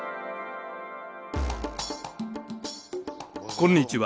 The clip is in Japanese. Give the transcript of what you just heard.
こんにちは。